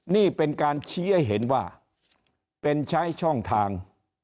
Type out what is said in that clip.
นี่เป็นการชี้ให้เห็นว่าเป็นใช้ช่องทาง